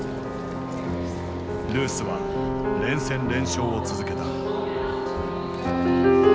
ルースは連戦連勝を続けた。